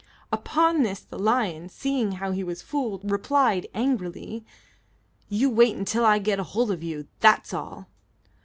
Upon this the lion, seeing how he had been fooled, replied angrily, "You wait until I get hold of you; that's all."